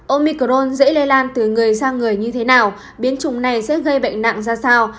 omicron dễ lây lan từ người sang người như thế nào biến trùng này sẽ gây bệnh nặng ra sao